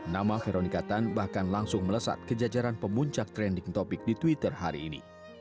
nama veronica tan bahkan langsung melesat ke jajaran pemuncak trending topic di twitter hari ini